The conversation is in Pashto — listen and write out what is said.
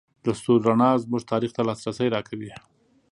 د ستورو رڼا زموږ تاریخ ته لاسرسی راکوي.